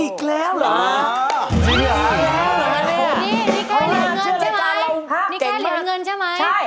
อีกแล้วเหรอนี่แค่เหรียญเงินใช่ไหมใช่